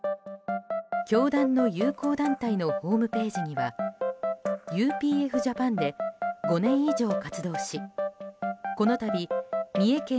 教団の友好団体のホームページにはＵＰＦ‐Ｊａｐａｎで５年以上活動しこのたび三重県